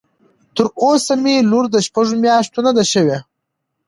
تر اوسه مې لور د شپږ مياشتو نه ده شوى.